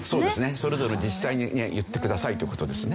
それぞれの自治体に言ってくださいという事ですね。